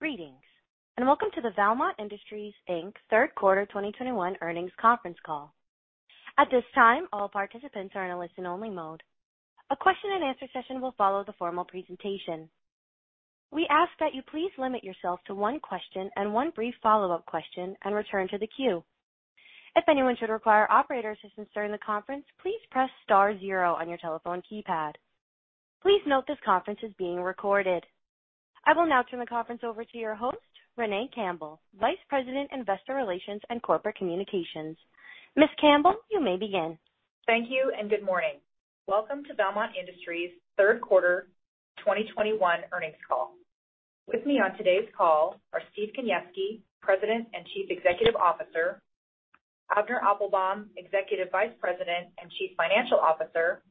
Greetings, and welcome to the Valmont Industries, Inc. third quarter 2021 earnings conference call. At this time, all participants are in a listen-only mode. A question and answer session will follow the formal presentation. We ask that you please limit yourself to one question and one brief follow-up question and return to the queue. If anyone should require operator assistance during the conference, please press star 0 on your telephone keypad. Please note this conference is being recorded. I will now turn the conference over to your host, Renee Campbell, Vice President, Investor Relations and Corporate Communications. Ms. Campbell, you may begin. Thank you. Good morning. Welcome to Valmont Industries' third quarter 2021 earnings call. With me on today's call are Steve Kaniewski, President and Chief Executive Officer, Avner Applbaum, Executive Vice President and Chief Financial Officer,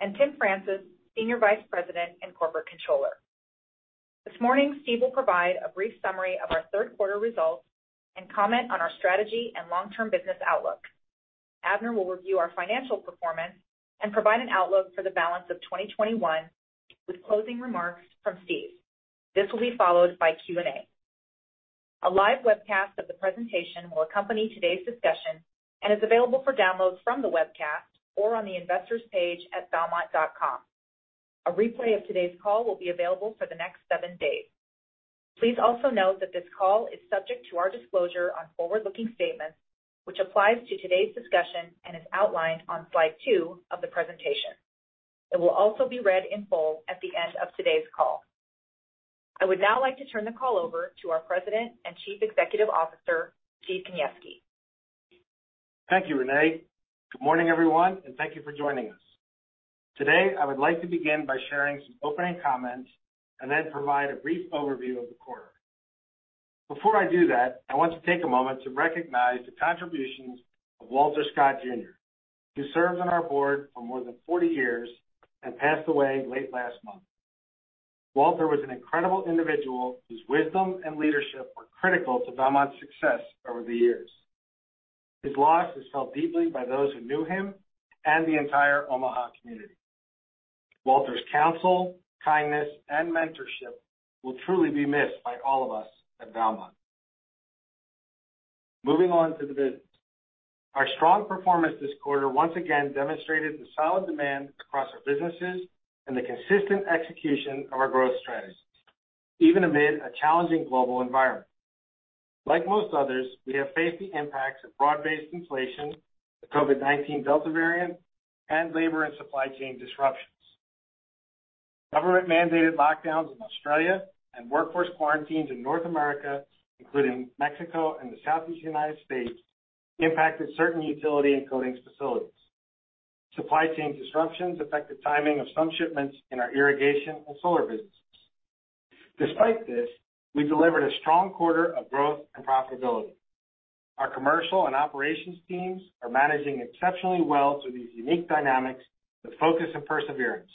and Tim Francis, Senior Vice President and Corporate Controller. This morning, Steve will provide a brief summary of our 3rd quarter results and comment on our strategy and long-term business outlook. Avner will review our financial performance and provide an outlook for the balance of 2021 with closing remarks from Steve. This will be followed by Q&A. A live webcast of the presentation will accompany today's discussion and is available for download from the webcast or on the investors page at valmont.com. A replay of today's call will be available for the next seven days. Please also note that this call is subject to our disclosure on forward-looking statements, which applies to today's discussion and is outlined on Slide 2 of the presentation. It will also be read in full at the end of today's call. I would now like to turn the call over to our President and Chief Executive Officer, Steve Kaniewski. Thank you, Renee. Good morning, everyone, and thank you for joining us. Today, I would like to begin by sharing some opening comments and then provide a brief overview of the quarter. Before I do that, I want to take a moment to recognize the contributions of Walter Scott, Jr., who served on our board for more than 40 years and passed away late last month. Walter was an incredible individual whose wisdom and leadership were critical to Valmont's success over the years. His loss is felt deeply by those who knew him and the entire Omaha community. Walter's counsel, kindness, and mentorship will truly be missed by all of us at Valmont. Moving on to the business. Our strong performance this quarter once again demonstrated the solid demand across our businesses and the consistent execution of our growth strategies, even amid a challenging global environment. Like most others, we have faced the impacts of broad-based inflation, the COVID-19 Delta variant, and labor and supply chain disruptions. Government-mandated lockdowns in Australia and workforce quarantines in North America, including Mexico and the Southeast United States, impacted certain utility and coatings facilities. Supply chain disruptions affected timing of some shipments in our irrigation and solar businesses. Despite this, we delivered a strong quarter of growth and profitability. Our commercial and operations teams are managing exceptionally well through these unique dynamics with focus and perseverance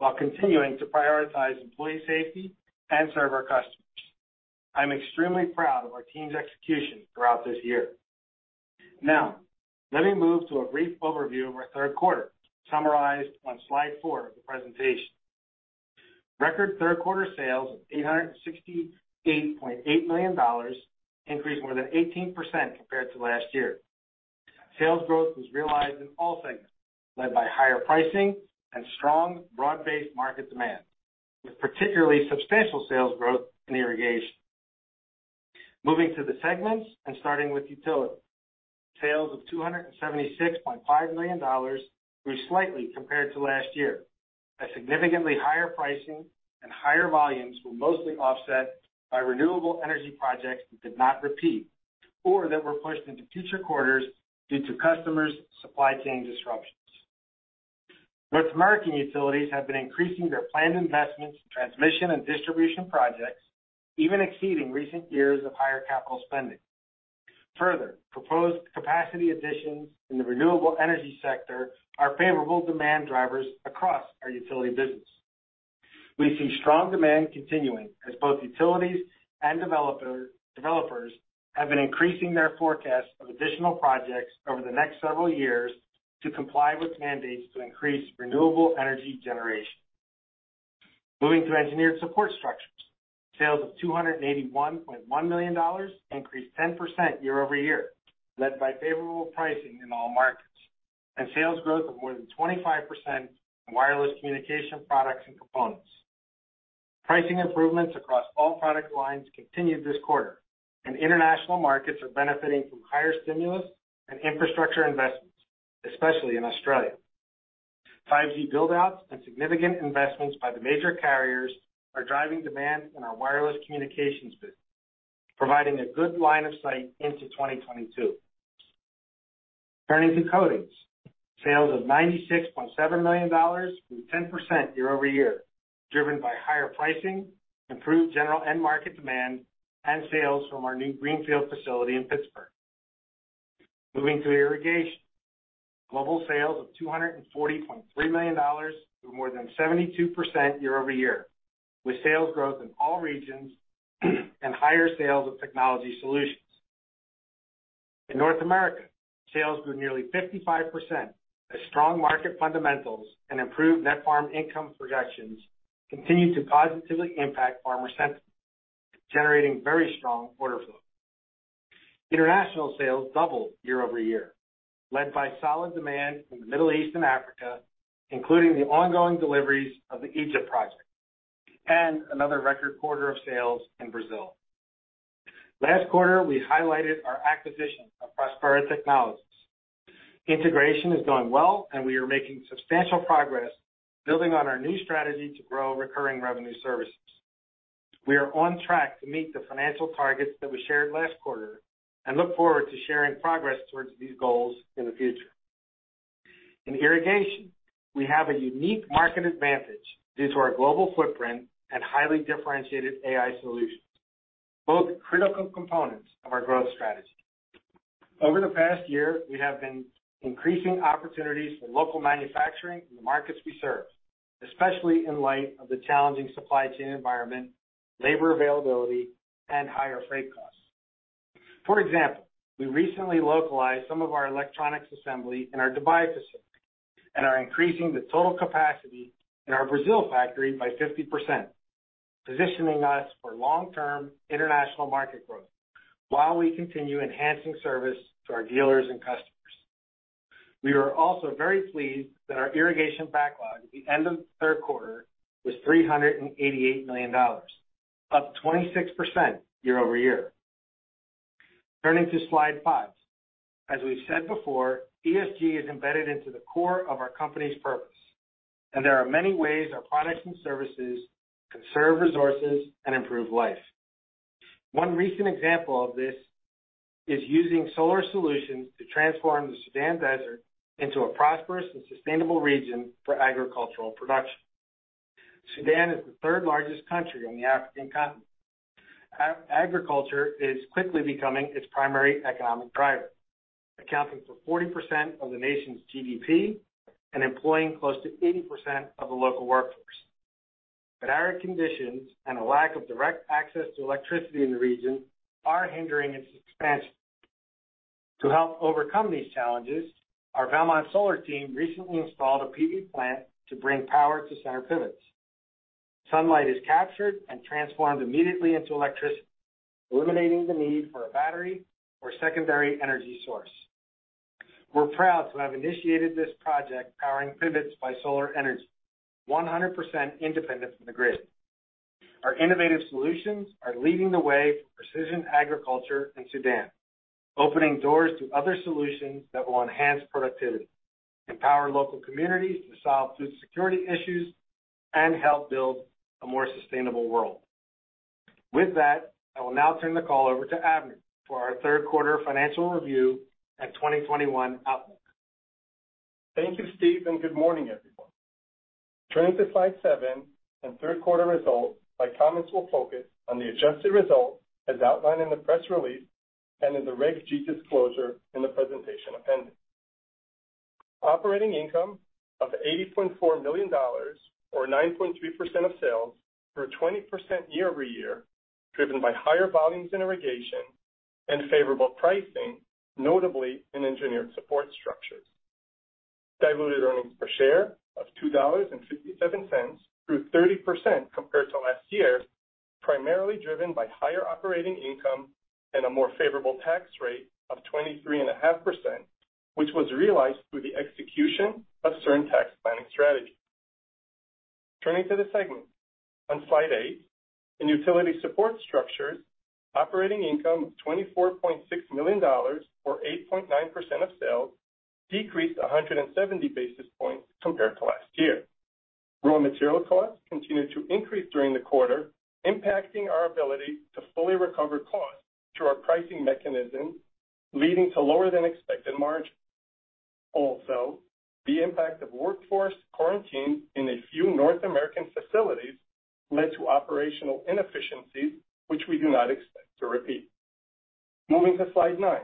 while continuing to prioritize employee safety and serve our customers. I'm extremely proud of our team's execution throughout this year. Let me move to a brief overview of our third quarter, summarized on Slide 4 of the presentation. Record third-quarter sales of $868.8 million increased more than 18% compared to last year. Sales growth was realized in all segments, led by higher pricing and strong broad-based market demand, with particularly substantial sales growth in irrigation. Moving to the segments and starting with utility. Sales of $276.5 million grew slightly compared to last year, as significantly higher pricing and higher volumes were mostly offset by renewable energy projects that did not repeat or that were pushed into future quarters due to customers' supply chain disruptions. North American utilities have been increasing their planned investments in transmission and distribution projects, even exceeding recent years of higher capital spending. Further, proposed capacity additions in the renewable energy sector are favorable demand drivers across our utility business. We see strong demand continuing as both utilities and developers have been increasing their forecast of additional projects over the next several years to comply with mandates to increase renewable energy generation. Moving to Engineered Support Structures. Sales of $281.1 million increased 10% year-over-year, led by favorable pricing in all markets, and sales growth of more than 25% in wireless communication products and components. Pricing improvements across all product lines continued this quarter, and international markets are benefiting from higher stimulus and infrastructure investments, especially in Australia. 5G build-outs and significant investments by the major carriers are driving demand in our wireless communications business, providing a good line of sight into 2022. Turning to coatings. Sales of $96.7 million grew 10% year-over-year, driven by higher pricing, improved general end market demand, and sales from our new greenfield facility in Pittsburgh. Moving to irrigation. Global sales of $240.3 million grew more than 72% year-over-year, with sales growth in all regions and higher sales of technology solutions. In North America, sales grew nearly 55%, as strong market fundamentals and improved net farm income projections continued to positively impact farmer sentiment, generating very strong order flow. International sales doubled year-over-year, led by solid demand from the Middle East and Africa, including the ongoing deliveries of the Egypt project, and another record quarter of sales in Brazil. Last quarter, we highlighted our acquisition of Prospera Technologies. Integration is going well, and we are making substantial progress building on our new strategy to grow recurring revenue services. We are on track to meet the financial targets that we shared last quarter and look forward to sharing progress towards these goals in the future. In irrigation, we have a unique market advantage due to our global footprint and highly differentiated AI solutions, both critical components of our growth strategy. Over the past year, we have been increasing opportunities for local manufacturing in the markets we serve, especially in light of the challenging supply chain environment, labor availability, and higher freight costs. For example, we recently localized some of our electronics assembly in our Dubai facility and are increasing the total capacity in our Brazil factory by 50%, positioning us for long-term international market growth while we continue enhancing service to our dealers and customers. We are also very pleased that our irrigation backlog at the end of the third quarter was $388 million, up 26% year-over-year. Turning to Slide 5. As we've said before, ESG is embedded into the core of our company's purpose, and there are many ways our products and services conserve resources and improve life. One recent example of this is using solar solutions to transform the Sudan desert into a prosperous and sustainable region for agricultural production. Sudan is the third largest country on the African continent. Agriculture is quickly becoming its primary economic driver, accounting for 40% of the nation's GDP and employing close to 80% of the local workforce. Arid conditions and a lack of direct access to electricity in the region are hindering its expansion. To help overcome these challenges, our Valmont solar team recently installed a PV plant to bring power to center pivots. Sunlight is captured and transformed immediately into electricity, eliminating the need for a battery or secondary energy source. We're proud to have initiated this project powering pivots by solar energy, 100% independent from the grid. Our innovative solutions are leading the way for precision agriculture in Sudan, opening doors to other solutions that will enhance productivity, empower local communities to solve food security issues, and help build a more sustainable world. With that, I will now turn the call over to Avner for our third quarter financial review and 2021 outlook. Thank you, Steve, and good morning, everyone. Turning to Slide 7 and third quarter results, my comments will focus on the adjusted results as outlined in the press release and in the Regulation G disclosure in the presentation appendix. Operating income of $80.4 million, or 9.3% of sales, grew 20% year-over-year, driven by higher volumes in irrigation and favorable pricing, notably in engineered support structures. Diluted earnings per share of $2.57 grew 30% compared to last year, primarily driven by higher operating income and a more favorable tax rate of 23.5%, which was realized through the execution of certain tax planning strategies. Turning to the segments on Slide 8. In utility support structures, operating income of $24.6 million, or 8.9% of sales, decreased 170 basis points compared to last year. Raw material costs continued to increase during the quarter, impacting our ability to fully recover costs through our pricing mechanism, leading to lower than expected margins. Also, the impact of workforce quarantine in a few North American facilities led to operational inefficiencies, which we do not expect to repeat. Moving to Slide 9.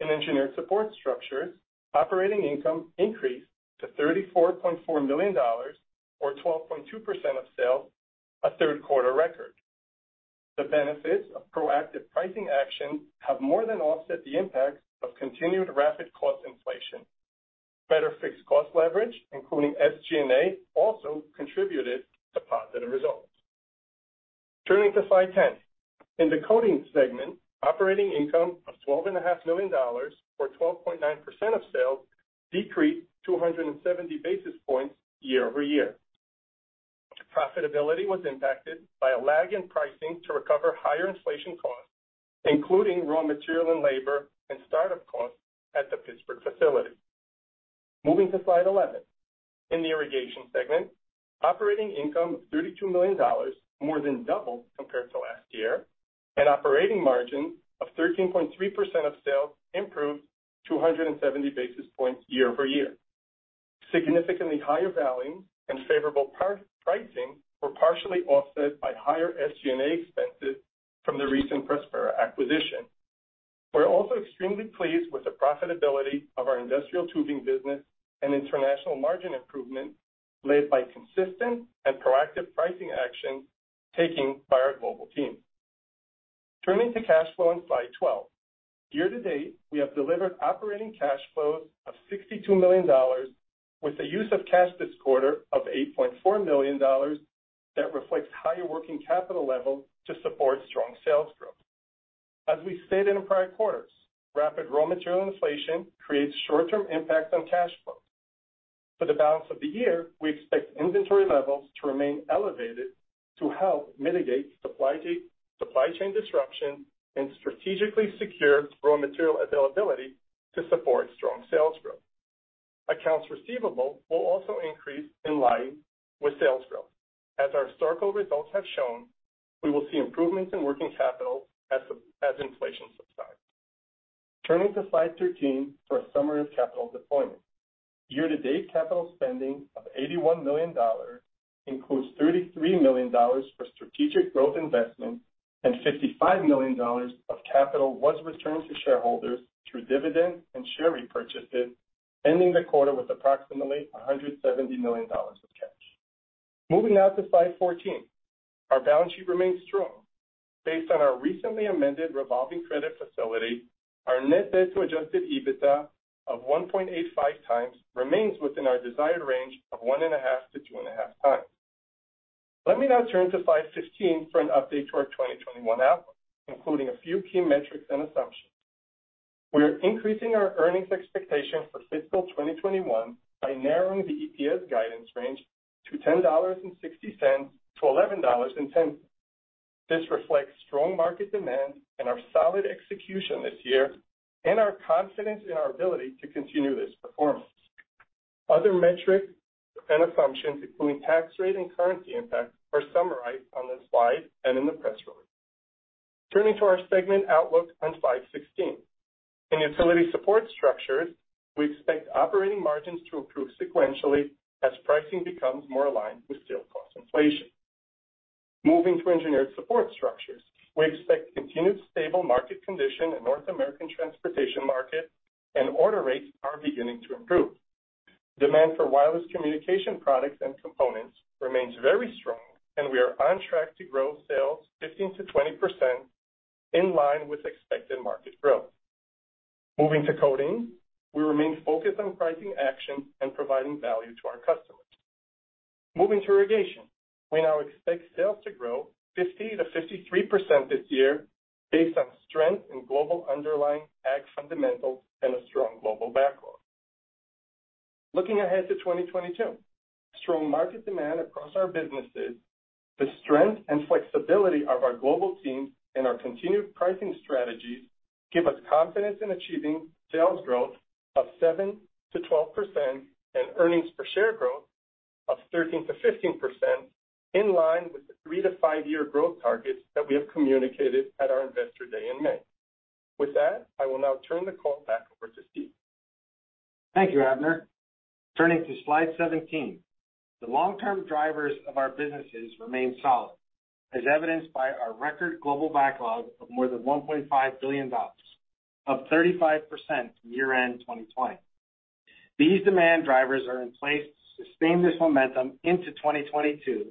In Engineered Support Structures, operating income increased to $34.4 million, or 12.2% of sales, a third quarter record. The benefits of proactive pricing action have more than offset the impact of continued rapid cost inflation. Better fixed cost leverage, including SG&A, also contributed to positive results. Turning to Slide 10. In the Coatings segment, operating income of $12.5 million, or 12.9% of sales, decreased 270 basis points year-over-year. Profitability was impacted by a lag in pricing to recover higher inflation costs, including raw material and labor, and startup costs at the Pittsburgh facility. Moving to Slide 11. In the irrigation segment, operating income of $32 million more than doubled compared to last year, and operating margin of 13.3% of sales improved 270 basis points year-over-year. Significantly higher volumes and favorable pricing were partially offset by higher SG&A expenses from the recent Prospera acquisition. We're also extremely pleased with the profitability of our industrial tubing business and international margin improvement led by consistent and proactive pricing actions taken by our global team. Turning to cash flow on Slide 12. Year-to-date, we have delivered operating cash flows of $62 million with the use of cash this quarter of $8.4 million that reflects higher working capital level to support strong sales growth. As we stated in prior quarters, rapid raw material inflation creates short-term impacts on cash flow. For the balance of the year, we expect inventory levels to remain elevated to help mitigate supply chain disruption and strategically secure raw material availability to support strong sales growth. Accounts receivable will also increase in line with sales growth. As our historical results have shown, we will see improvements in working capital as inflation subsides. Turning to Slide 13 for a summary of capital deployment. Year-to-date capital spending of $81 million includes $33 million for strategic growth investments and $55 million of capital was returned to shareholders through dividends and share repurchases, ending the quarter with approximately $170 million of cash. Moving now to Slide 14. Our balance sheet remains strong. Based on our recently amended revolving credit facility, our net debt to adjusted EBITDA of 1.85x remains within our desired range of 1.5x to 2.5x. Let me now turn to Slide 15 for an update to our 2021 outlook, including a few key metrics and assumptions. We are increasing our earnings expectation for fiscal 2021 by narrowing the EPS guidance range to $10.60-$11.10. This reflects strong market demand and our solid execution this year, and our confidence in our ability to continue this performance. Other metrics and assumptions, including tax rate and currency impact, are summarized on this slide and in the press release. Turning to our segment outlook on Slide 16. In Utility Support Structures, we expect operating margins to improve sequentially as pricing becomes more aligned with steel cost inflation. Moving to Engineered Support Structures, we expect continued stable market condition in North American transportation market and order rates are beginning to improve. Demand for wireless communication products and components remains very strong, and we are on track to grow sales 15%-20% in line with expected market growth. Moving to Coatings, we remain focused on pricing action and providing value to our customers. Moving to Irrigation. We now expect sales to grow 50%-53% this year based on strength in global underlying ag fundamentals and a strong global backlog. Looking ahead to 2022. Strong market demand across our businesses, the strength and flexibility of our global teams, and our continued pricing strategies give us confidence in achieving sales growth of 7%-12% and earnings per share growth of 13%-15%, in line with the three to five year growth targets that we have communicated at our Investor Day in May. With that, I will now turn the call back over to Steve. Thank you, Avner. Turning to Slide 17. The long-term drivers of our businesses remain solid, as evidenced by our record global backlog of more than $1.5 billion, up 35% from year-end 2020. These demand drivers are in place to sustain this momentum into 2022,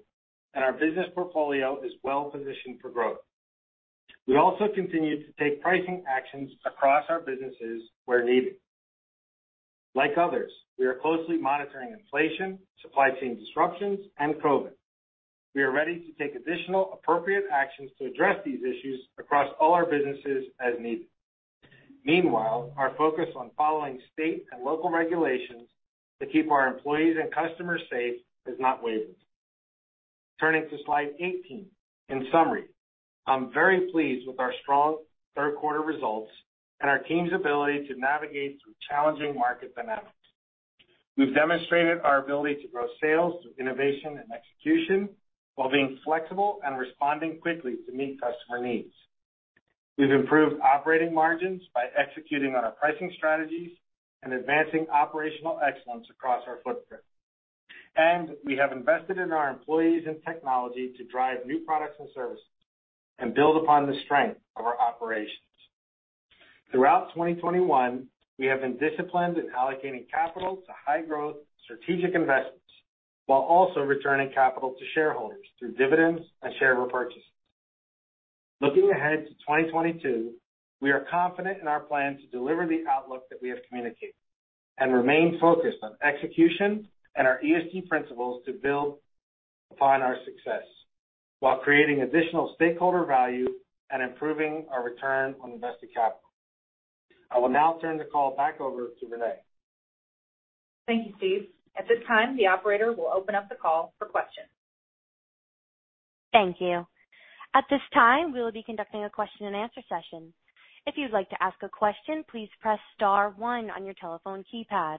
and our business portfolio is well positioned for growth. We also continue to take pricing actions across our businesses where needed. Like others, we are closely monitoring inflation, supply chain disruptions, and COVID. We are ready to take additional appropriate actions to address these issues across all our businesses as needed. Meanwhile, our focus on following state and local regulations to keep our employees and customers safe is not wavering. Turning to Slide 18. In summary, I'm very pleased with our strong third quarter results and our team's ability to navigate through challenging market dynamics. We've demonstrated our ability to grow sales through innovation and execution while being flexible and responding quickly to meet customer needs. We've improved operating margins by executing on our pricing strategies and advancing operational excellence across our footprint. We have invested in our employees and technology to drive new products and services and build upon the strength of our operations. Throughout 2021, we have been disciplined in allocating capital to high-growth strategic investments while also returning capital to shareholders through dividends and share repurchases. Looking ahead to 2022, we are confident in our plan to deliver the outlook that we have communicated and remain focused on execution and our ESG principles to build upon our success while creating additional stakeholder value and improving our return on invested capital. I will now turn the call back over to Renee. Thank you, Steve. At this time, the operator will open up the call for questions. Thank you. At this time, we will be conducting a question and answer session. If you'd like to ask a question, please press star one on your telephone keypad.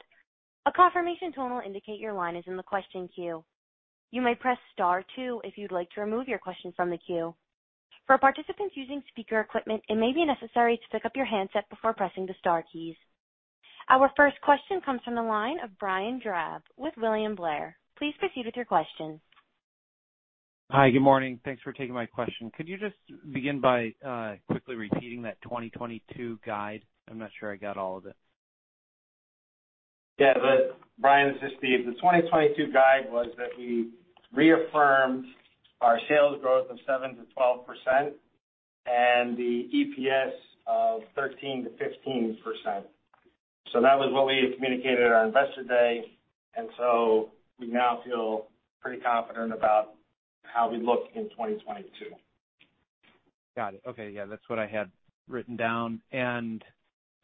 A confirmation tone will indicate your line is in the question queue. You may press star two if you'd like to remove your question from the queue. For participants using speaker equipment, it may be necessary to pick up your handset before pressing the star keys. Our first question comes from the line of Brian Drab with William Blair. Please proceed with your question. Hi. Good morning. Thanks for taking my question. Could you just begin by quickly repeating that 2022 guide? I'm not sure I got all of it. Yeah, Brian, this is Steve. The 2022 guide was that we reaffirmed our sales growth of 7%-12% and the EPS of 13%-15%. That was what we had communicated at our Investor Day. We now feel pretty confident about how we look in 2022. Got it. Okay. Yeah, that's what I had written down.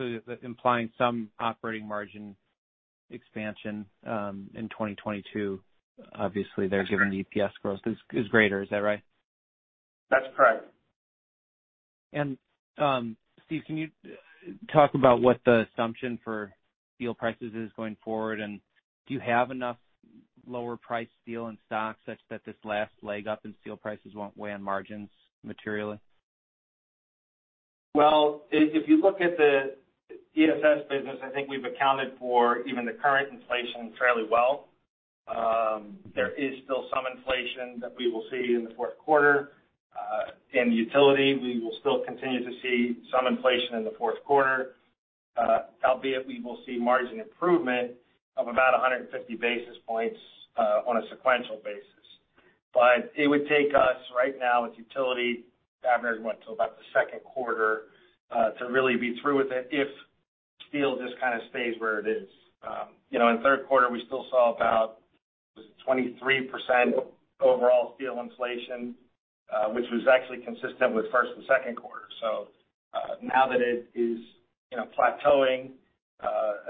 Implying some operating margin expansion in 2022, obviously there, given the EPS growth, is greater. Is that right? That's correct. Steve, can you talk about what the assumption for steel prices is going forward? Do you have enough lower priced steel in stock such that this last leg up in steel prices won't weigh on margins materially? Well, if you look at the ESS business, I think we've accounted for even the current inflation fairly well. There is still some inflation that we will see in the fourth quarter. In utility, we will still continue to see some inflation in the fourth quarter, albeit we will see margin improvement of about 150 basis points on a sequential basis. It would take us right now with utility, that really went till about the second quarter, to really be through with it if steel just kind of stays where it is. In third quarter, we still saw about 23% overall steel inflation, which was actually consistent with first and second quarter. Now that it is plateauing,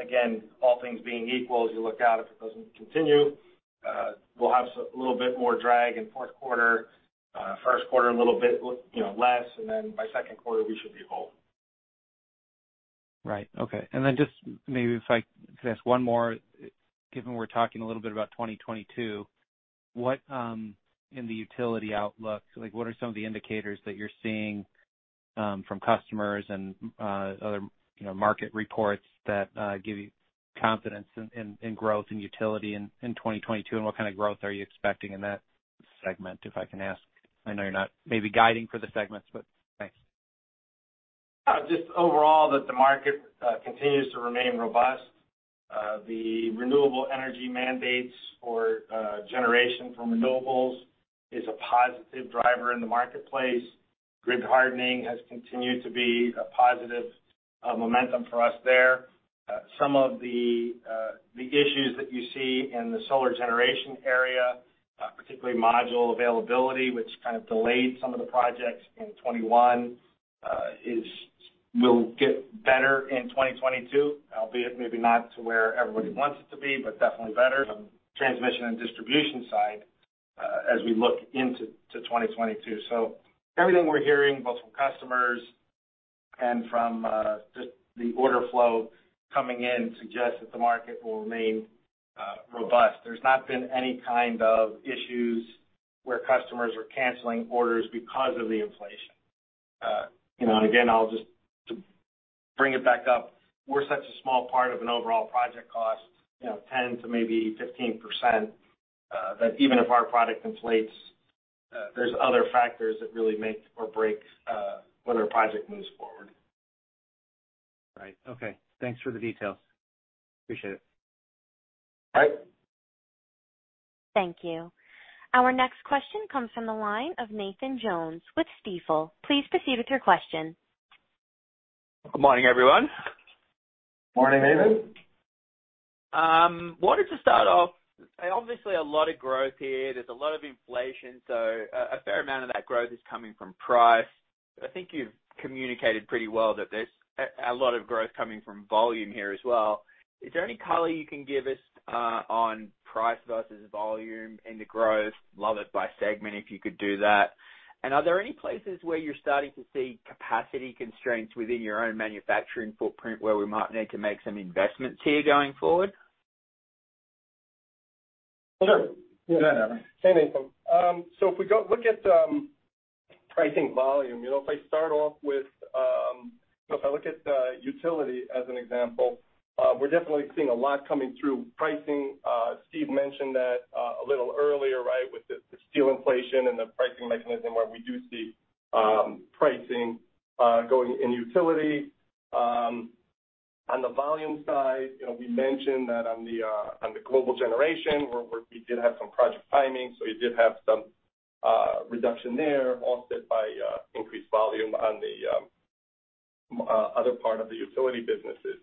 again, all things being equal, as you look out, if it doesn't continue, we'll have a little bit more drag in first quarter, a little bit less, and then by second quarter, we should be whole. Right. Okay. Just maybe if I could ask one more, given we're talking a little bit about 2022, in the utility outlook, what are some of the indicators that you're seeing from customers and other market reports that give you confidence in growth in utility in 2022? What kind of growth are you expecting in that segment, if I can ask? I know you're not maybe guiding for the segments, thanks. Just overall, the market continues to remain robust. The renewable energy mandates for generation from renewables is a positive driver in the marketplace. Grid hardening has continued to be a positive momentum for us there. Some of the issues that you see in the solar generation area, particularly module availability, which kind of delayed some of the projects in 2021, will get better in 2022, albeit maybe not to where everybody wants it to be, but definitely better on the transmission and distribution side as we look into 2022. Everything we're hearing, both from customers and from just the order flow coming in, suggests that the market will remain robust. There's not been any kind of issues where customers are canceling orders because of the inflation. Again, I'll just bring it back up. We're such a small part of an overall project cost, 10%-maybe 15%, that even if our product inflates, there's other factors that really make or break whether a project moves forward. Right. Okay. Thanks for the details. Appreciate it. All right. Thank you. Our next question comes from the line of Nathan Jones with Stifel. Please proceed with your question. Good morning, everyone. Morning, Nathan. Wanted to start off, obviously a lot of growth here. There's a lot of inflation, so a fair amount of that growth is coming from price. I think you've communicated pretty well that there's a lot of growth coming from volume here as well. Is there any color you can give us on price versus volume in the growth? Love it by segment, if you could do that. Are there any places where you're starting to see capacity constraints within your own manufacturing footprint where we might need to make some investments here going forward? Sure. Go ahead, Avner. Hey, Nathan. If we look at pricing volume, if I look at utility as an example, we're definitely seeing a lot coming through pricing. Steve mentioned that a little earlier, with the steel inflation and the pricing mechanism where we do see pricing going in utility. On the volume side, we mentioned that on the global generation, where we did have some project timing, so we did have some reduction there, offset by increased volume on the other part of the utility businesses.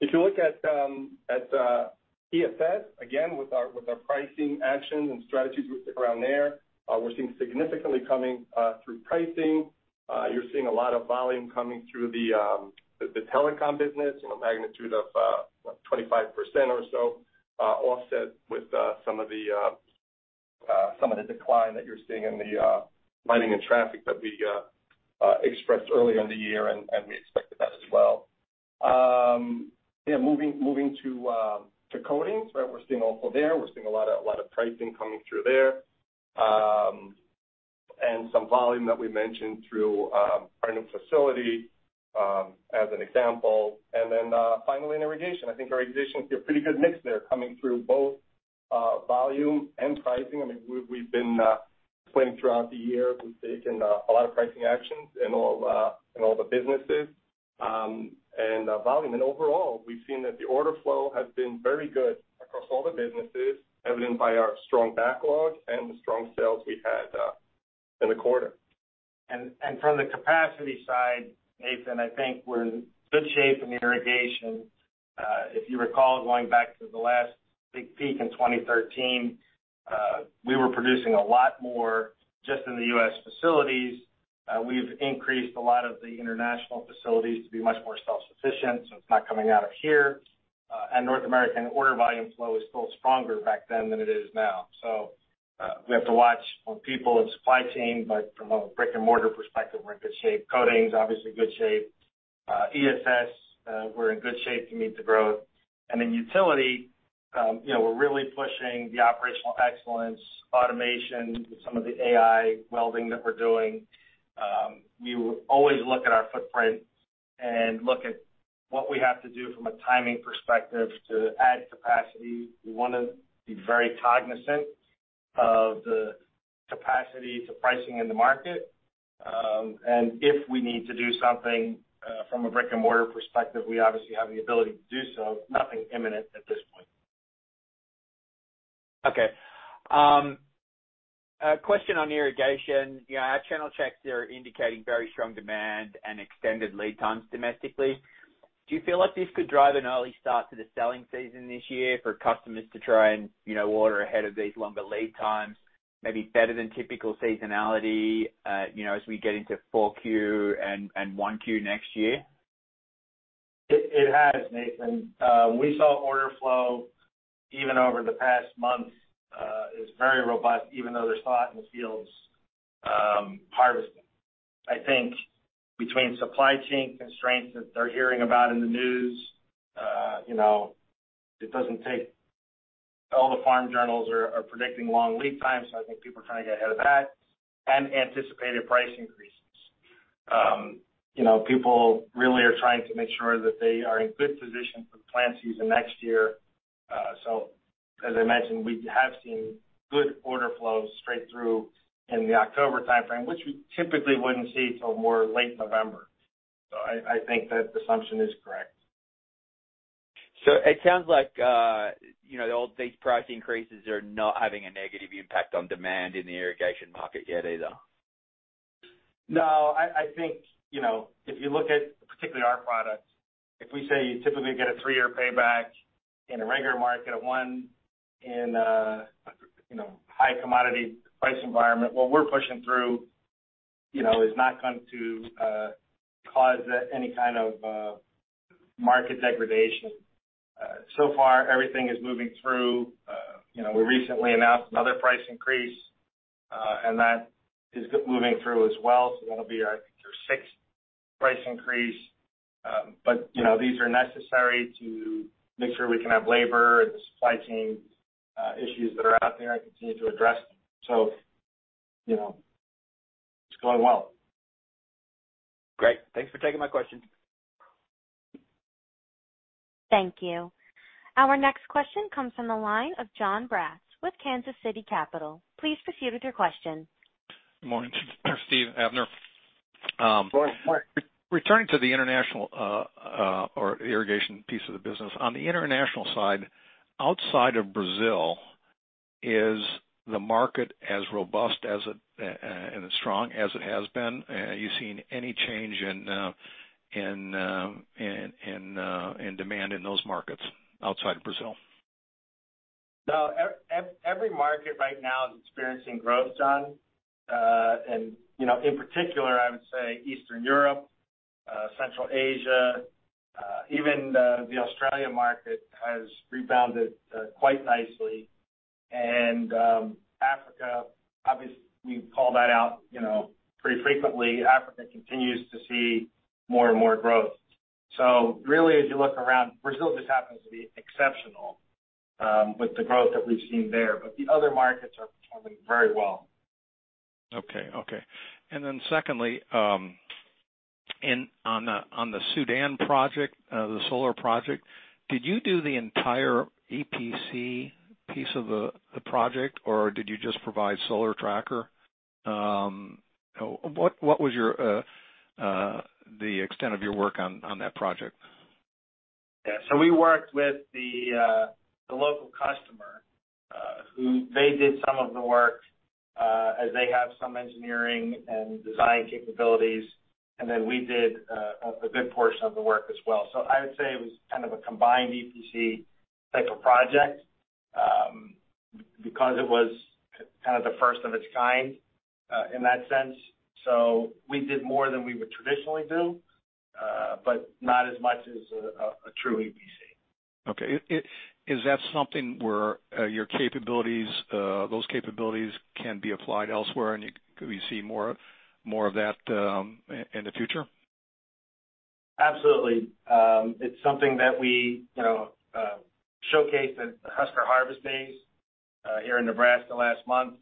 If you look at ESS, again, with our pricing actions and strategies we stick around there, we're seeing significantly coming through pricing. You're seeing a lot of volume coming through the telecom business, a magnitude of 25% or so, offset with some of the decline that you're seeing in the lighting and traffic that we expressed earlier in the year, and we expected that as well. Yeah. Moving to coatings, we're seeing also there, we're seeing a lot of pricing coming through there, and some volume that we mentioned through our new facility, as an example. Finally in irrigation. I think irrigation is a pretty good mix there, coming through both. Volume and pricing. We've been explaining throughout the year, we've taken a lot of pricing actions in all the businesses. Volume, and overall, we've seen that the order flow has been very good across all the businesses, evident by our strong backlog and the strong sales we've had in the quarter. From the capacity side, Nathan, I think we're in good shape in irrigation. If you recall, going back to the last big peak in 2013, we were producing a lot more just in the U.S. facilities. We've increased a lot of the international facilities to be much more self-sufficient, so it's not coming out of here. North American order volume flow is still stronger back then than it is now. We have to watch on people and supply chain, but from a brick and mortar perspective, we're in good shape. Coatings, obviously good shape. ESS, we're in good shape to meet the growth. Utility, we're really pushing the operational excellence, automation with some of the AI welding that we're doing. We always look at our footprint and look at what we have to do from a timing perspective to add capacity. We want to be very cognizant of the capacity to pricing in the market. If we need to do something from a brick and mortar perspective, we obviously have the ability to do so. Nothing imminent at this point. Okay. A question on irrigation. Our channel checks are indicating very strong demand and extended lead times domestically. Do you feel like this could drive an early start to the selling season this year for customers to try and order ahead of these longer lead times, maybe better than typical seasonality as we get into 4Q and 1Q next year? It has, Nathan. We saw order flow even over the past month is very robust, even though there's thought in the fields harvesting. I think between supply chain constraints that they're hearing about in the news, all the farm journals are predicting long lead times, I think people are trying to get ahead of that and anticipated price increases. People really are trying to make sure that they are in good position for plant season next year. As I mentioned, we have seen good order flows straight through in the October timeframe, which we typically wouldn't see till more late November. I think that assumption is correct. It sounds like these price increases are not having a negative impact on demand in the irrigation market yet either. I think, if you look at particularly our products, if we say you typically get a three-year payback in a regular market, one in a high commodity price environment, what we're pushing through is not going to cause any kind of market degradation. So far everything is moving through. We recently announced another price increase, and that is moving through as well. That'll be our 6th price increase. These are necessary to make sure we can have labor and supply chain issues that are out there and continue to address them. It's going well. Great. Thanks for taking my question. Thank you. Our next question comes from the line of Jon Braatz with Kansas City Capital. Please proceed with your question. Good morning, Stephen, Avner. Good morning. Returning to the international or irrigation piece of the business. On the international side, outside of Brazil, is the market as robust and as strong as it has been? Are you seeing any change in demand in those markets outside of Brazil? No. Every market right now is experiencing growth, Jon. In particular, I would say Eastern Europe, Central Asia, even the Australia market has rebounded quite nicely. Africa, obviously, we call that out pretty frequently. Africa continues to see more and more growth. Really, as you look around, Brazil just happens to be exceptional with the growth that we've seen there. The other markets are performing very well. Okay. Secondly, on the Sudan project, the solar project, did you do the entire EPC piece of the project, or did you just provide solar tracker? What was the extent of your work on that project? Yeah. We worked with the local customer. They did some of the work, as they have some engineering and design capabilities, and then we did a good portion of the work as well. I would say it was kind of a combined EPC type of project, because it was kind of the first of its kind in that sense. We did more than we would traditionally do, but not as much as a true EPC. Okay. Is that something where those capabilities can be applied elsewhere, could we see more of that in the future? Absolutely. It is something that we showcased at the Husker Harvest Days here in Nebraska last month.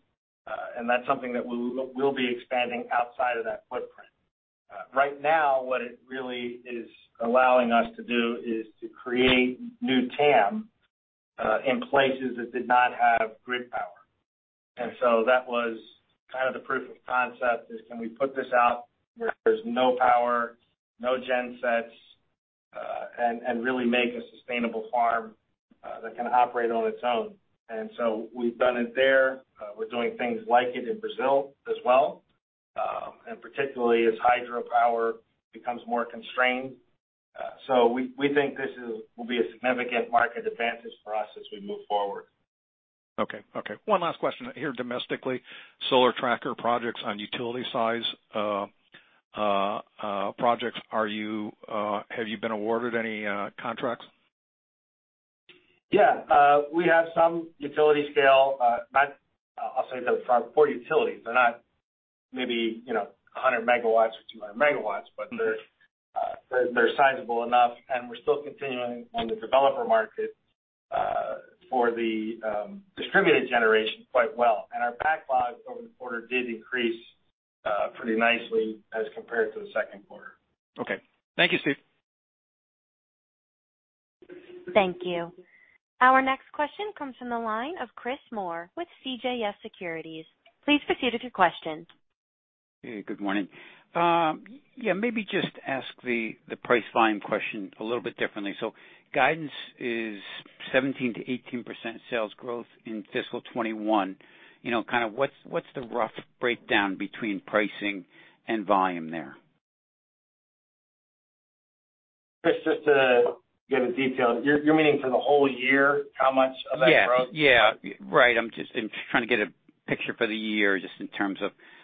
That is something that we will be expanding outside of that footprint. Right now, what it really is allowing us to do is to create new TAM in places that did not have grid power. That was the proof of concept is can we put this out where there is no power, no gen sets, and really make a sustainable farm that can operate on its own. We have done it there. We are doing things like it in Brazil as well, and particularly as hydropower becomes more constrained. We think this will be a significant market advantage for us as we move forward. Okay. One last question here, domestically, solar tracker projects on utility size projects, have you been awarded any contracts? Yeah. We have some utility scale, not I'll say for utilities, they're not maybe 100 MW or 200 MW, but they're sizable enough, and we're still continuing in the developer market, for the distributed generation quite well. Our backlog over the quarter did increase pretty nicely as compared to the second quarter. Okay. Thank you, Steve. Thank you. Our next question comes from the line of Chris Moore with CJS Securities. Please proceed with your question. Hey, good morning. Yeah, maybe just ask the price volume question a little bit differently. Guidance is 17%-18% sales growth in fiscal 2021. What's the rough breakdown between pricing and volume there? Chris, just to give a detail, you're meaning for the whole year, how much of that growth? Yeah. Right. I'm just trying to get a picture for the year.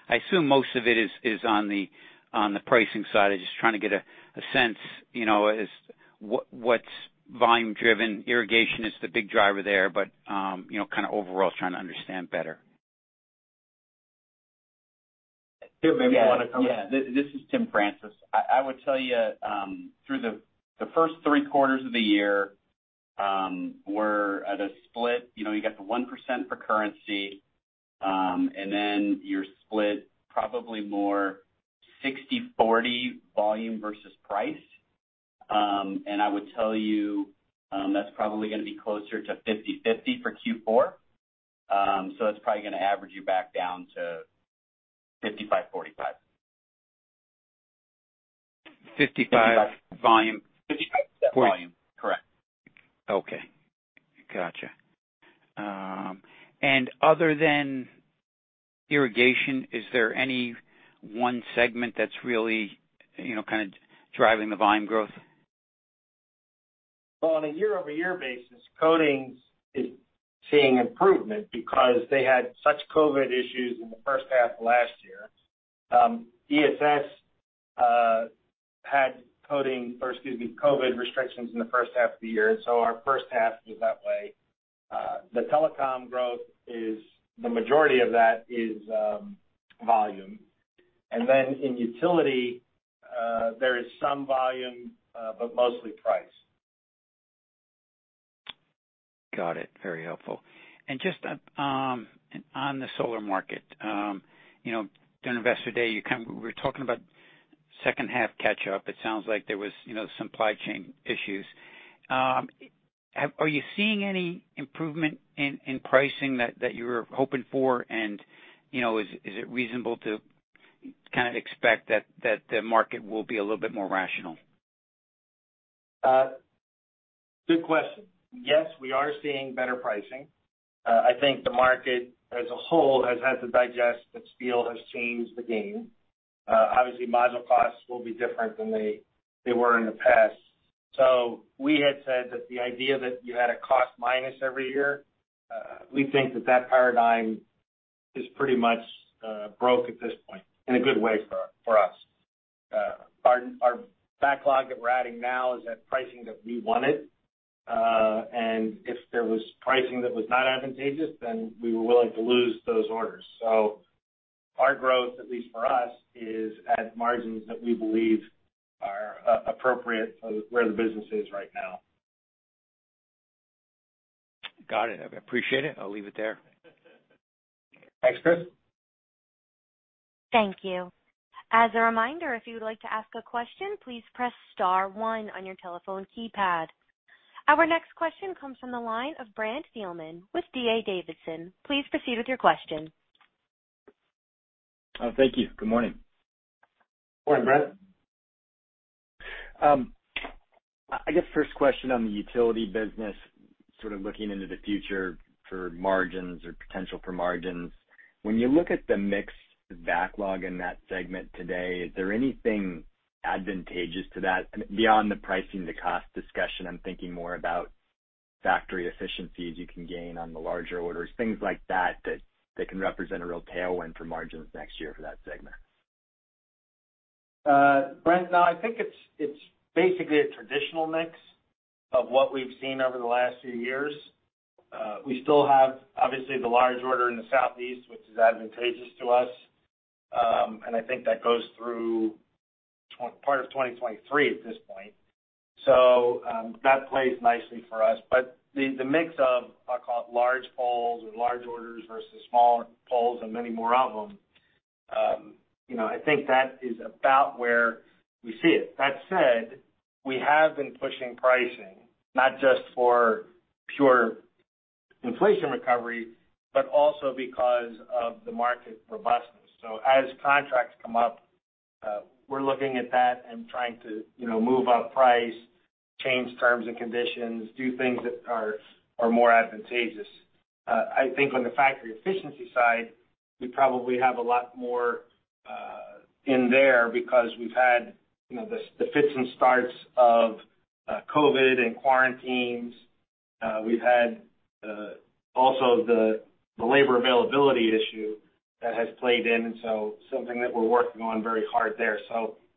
I assume most of it is on the pricing side. I'm just trying to get a sense, what's volume driven. Irrigation is the big driver there, but overall, trying to understand better. Tim, maybe you want to comment. Yeah. This is Timothy Francis. I would tell you, through the first three quarters of the year, we're at a split. You got the 1% for currency, and then you're split probably more 60/40 volume versus price. I would tell you, that's probably going to be closer to 50/50 for Q4. It's probably going to average you back down to 55/45. 55 volume? Volume. Correct. Okay. Gotcha. Other than irrigation, is there any one segment that's really driving the volume growth? Well, on a year-over-year basis, Coatings is seeing improvement because they had such COVID-19 issues in the first half of last year. ESS had COVID-19 restrictions in the first half of the year, so our first half was that way. The telecom growth, the majority of that is volume. Then in utility, there is some volume, but mostly price. Got it. Very helpful. Just on the solar market, during Investor Day, we were talking about second half catch up. It sounds like there was supply chain issues. Are you seeing any improvement in pricing that you were hoping for? Is it reasonable to expect that the market will be a little bit more rational? Good question. Yes, we are seeing better pricing. I think the market as a whole has had to digest that steel has changed the game. Obviously, module costs will be different than they were in the past. We had said that the idea that you had a cost minus every year, we think that paradigm is pretty much broke at this point, in a good way for us. Our backlog that we're adding now is at pricing that we wanted. If there was pricing that was not advantageous, then we were willing to lose those orders. Our growth, at least for us, is at margins that we believe are appropriate for where the business is right now. Got it. I appreciate it. I'll leave it there. Thanks, Chris. Thank you. As a reminder, if you would like to ask a question, please press star one on your telephone keypad. Our next question comes from the line of Brent Thielman with D.A. Davidson. Please proceed with your question. Thank you. Good morning. Morning, Brent. I guess first question on the utility business, sort of looking into the future for margins or potential for margins. When you look at the mixed backlog in that segment today, is there anything advantageous to that beyond the pricing to cost discussion? I'm thinking more about factory efficiencies you can gain on the larger orders, things like that can represent a real tailwind for margins next year for that segment. Brent, no, I think it's basically a traditional mix of what we've seen over the last few years. We still have, obviously, the large order in the Southeast, which is advantageous to us. I think that goes through part of 2023 at this point. That plays nicely for us. The mix of, I'll call it large poles or large orders versus smaller poles and many more of them, I think that is about where we see it. That said, we have been pushing pricing not just for pure inflation recovery, but also because of the market robustness. As contracts come up, we're looking at that and trying to move up price, change terms and conditions, do things that are more advantageous. I think on the factory efficiency side, we probably have a lot more in there because we've had the fits and starts of COVID and quarantines. We've had also the labor availability issue that has played in, something that we're working on very hard there.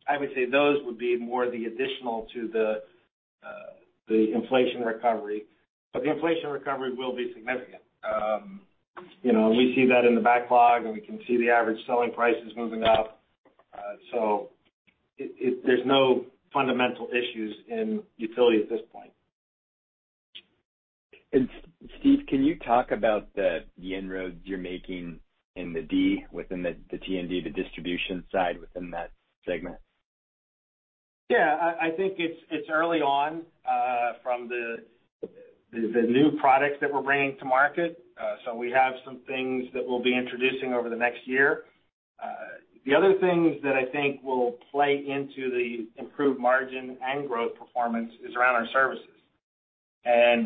I would say those would be more the additional to the inflation recovery. The inflation recovery will be significant. We see that in the backlog, we can see the average selling prices moving up. There's no fundamental issues in utility at this point. Steve, can you talk about the inroads you're making in the D within the T&D, the distribution side within that segment? Yeah, I think it's early on from the new products that we're bringing to market. We have some things that we'll be introducing over the next year. The other things that I think will play into the improved margin and growth performance is around our services.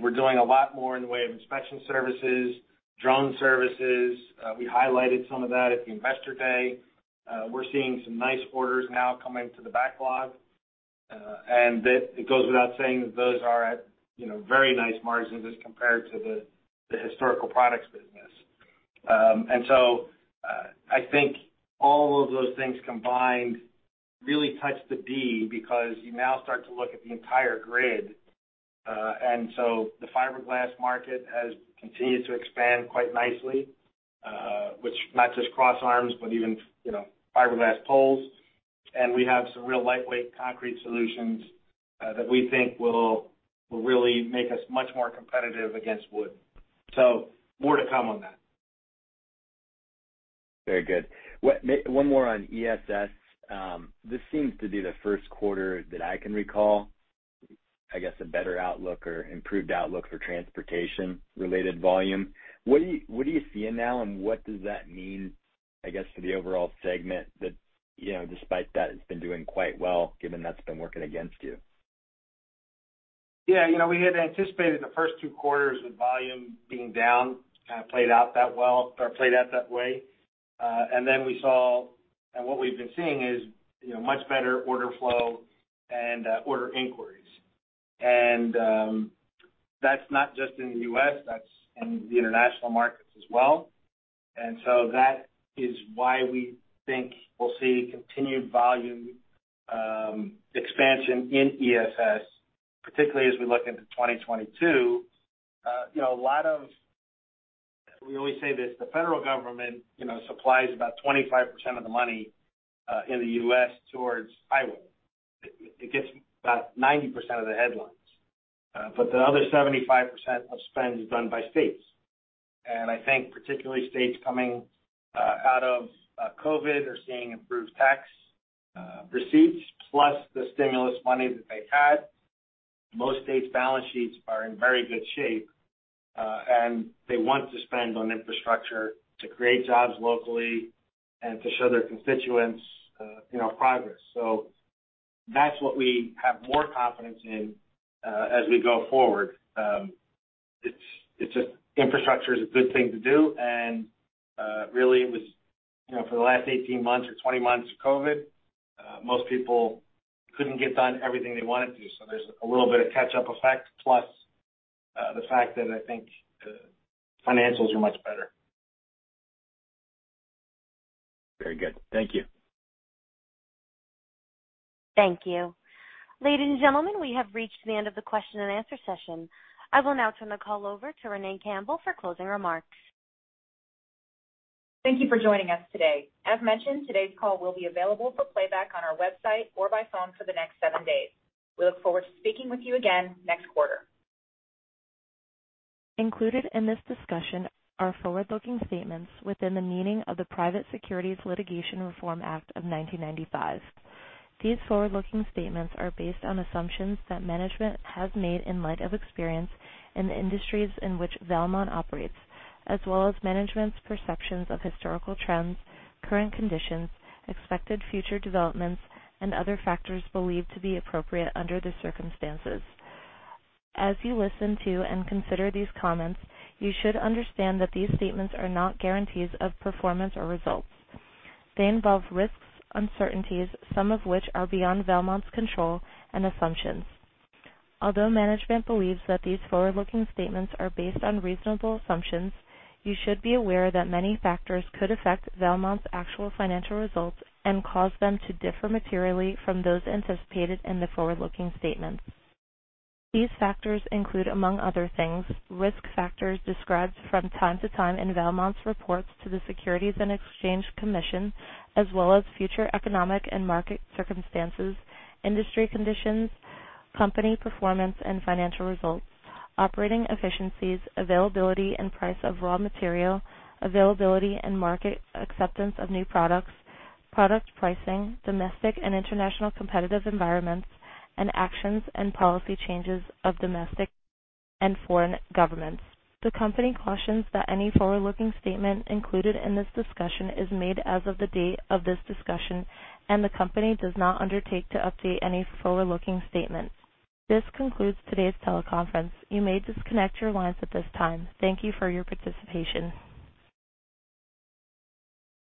We're doing a lot more in the way of inspection services, drone services. We highlighted some of that at the Investor Day. We're seeing some nice orders now coming to the backlog. It goes without saying that those are at very nice margins as compared to the historical products business. I think all of those things combined really touch the D because you now start to look at the entire grid. The fiberglass market has continued to expand quite nicely, which not just cross arms, but even fiberglass poles. We have some real lightweight concrete solutions that we think will really make us much more competitive against wood. More to come on that. Very good. One more on ESS. This seems to be the first quarter that I can recall, I guess a better outlook or improved outlook for transportation-related volume. What are you seeing now, and what does that mean, I guess, for the overall segment that, despite that it's been doing quite well, given that's been working against you? Yeah. We had anticipated the first two quarters with volume being down, kind of played out that way. We saw, and what we've been seeing is much better order flow and order inquiries. That's not just in the U.S., that's in the international markets as well. That is why we think we'll see continued volume expansion in ESS, particularly as we look into 2022. We always say this, the federal government supplies about 25% of the money in the U.S. towards highway. It gets about 90% of the headlines. The other 75% of spend is done by states. I think particularly states coming out of COVID are seeing improved tax receipts, plus the stimulus money that they've had. Most states' balance sheets are in very good shape, and they want to spend on infrastructure to create jobs locally and to show their constituents progress. That's what we have more confidence in as we go forward. It's just infrastructure is a good thing to do, and really it was for the last 18 months or 20 months of COVID-19, most people couldn't get done everything they wanted to. There's a little bit of catch-up effect, plus the fact that I think financials are much better. Very good. Thank you. Thank you. Ladies and gentlemen, we have reached the end of the question and answer session. I will now turn the call over to Renee Campbell for closing remarks. Thank you for joining us today. As mentioned, today's call will be available for playback on our website or by phone for the next seven days. We look forward to speaking with you again next quarter. Included in this discussion are forward-looking statements within the meaning of the Private Securities Litigation Reform Act of 1995. These forward-looking statements are based on assumptions that management has made in light of experience in the industries in which Valmont operates, as well as management's perceptions of historical trends, current conditions, expected future developments, and other factors believed to be appropriate under the circumstances. As you listen to and consider these comments, you should understand that these statements are not guarantees of performance or results. They involve risks, uncertainties, some of which are beyond Valmont's control and assumptions. Although management believes that these forward-looking statements are based on reasonable assumptions, you should be aware that many factors could affect Valmont's actual financial results and cause them to differ materially from those anticipated in the forward-looking statements. These factors include, among other things, risk factors described from time to time in Valmont's reports to the Securities and Exchange Commission, as well as future economic and market circumstances, industry conditions, company performance and financial results, operating efficiencies, availability and price of raw material, availability and market acceptance of new products, product pricing, domestic and international competitive environments, and actions and policy changes of domestic and foreign governments. The company cautions that any forward-looking statement included in this discussion is made as of the date of this discussion, and the company does not undertake to update any forward-looking statements. This concludes today's teleconference. You may disconnect your lines at this time. Thank you for your participation.